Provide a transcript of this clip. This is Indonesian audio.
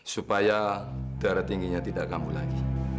supaya darah tingginya tidak kambuh lagi